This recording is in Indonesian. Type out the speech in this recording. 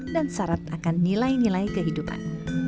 dan syarat akan nilai nilai kehidupan